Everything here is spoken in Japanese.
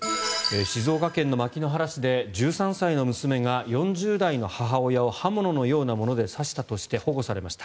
静岡県牧之原市で１３歳の娘が４０代の母親を刃物のようなもので刺したとして保護されました。